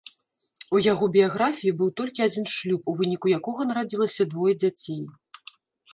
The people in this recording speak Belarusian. У яго біяграфіі быў толькі адзін шлюб, у выніку якога нарадзілася двое дзяцей.